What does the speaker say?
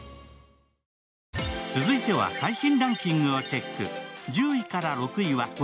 続いては最新ランキングをチェック。